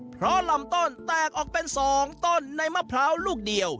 เพราะลำต้นแตกออกเป็น๒ต้นในมะพร้าวลูกเดียว